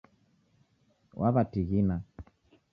Wawatighina